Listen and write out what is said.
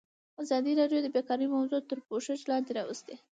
ازادي راډیو د بیکاري موضوع تر پوښښ لاندې راوستې.